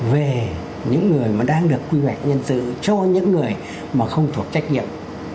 về những người mà đang được quy hoạch nhân sự cho những người mà không thuộc trách nhiệm